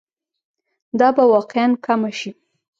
دا به واقعاً کمه شي.